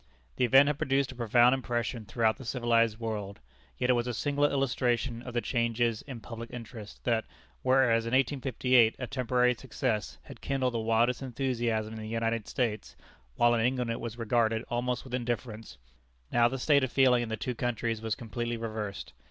The event had produced a profound impression throughout the civilized world. Yet it was a singular illustration of the changes in public interest, that, whereas in 1858 a temporary success had kindled the wildest enthusiasm in the United States, while in England it was regarded almost with indifference, now the state of feeling in the two countries was completely reversed.